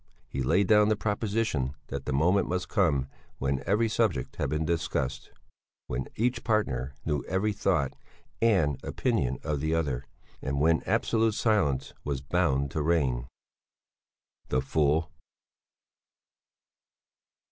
He laid down the proposition that the moment must come when every subject had been discussed, when each partner knew every thought and opinion of the other, and when absolute silence was bound to reign. The fool!